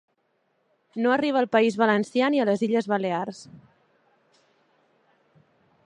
No arriba al País Valencià ni a les Illes Balears.